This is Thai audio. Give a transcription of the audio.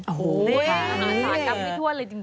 โอ้โฮคือสารกลับที่ถ้วนเลยจริง